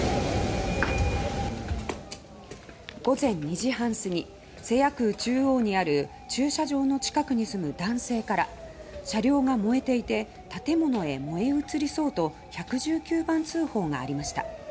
午前２時半すぎ瀬谷区中央にある駐車場の近くに住む男性から「車両が燃えていて建物へ燃え移りそう」と１１９番通報がありました。